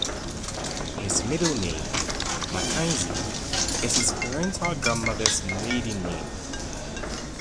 His middle name, McKenzie, is his paternal grandmother's maiden name.